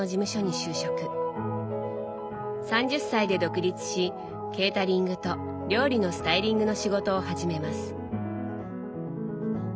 ３０歳で独立しケータリングと料理のスタイリングの仕事を始めます。